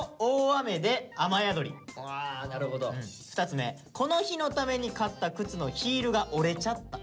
２つ目「この日のために買ったくつのヒールが折れちゃった」。